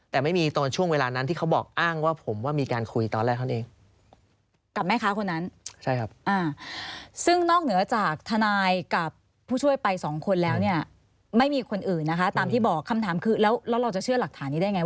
แต่ไม่มีตอนช่วงเวลานั้นที่เขาบอกอ้างว่าผมว่ามีการคุยตอนแรกเท่านั้นเอง